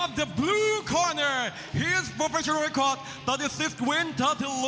มีไทยไฟล์